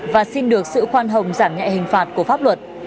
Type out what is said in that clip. và xin được sự khoan hồng giảm nhẹ hình phạt của pháp luật